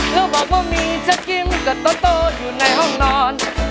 แล้วบอกว่ามีชะกิ้มกับตกโตอยู่ในห้องนอน